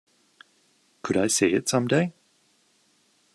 Could I see it some day?